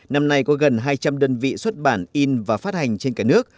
năm nay có gần hai trăm linh đơn vị xuất bản in và phát hành trên cả nước